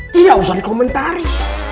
tidak usah dikomentari